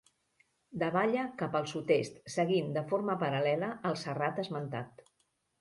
Davalla cap al sud-est seguint de forma paral·lela el serrat esmentat.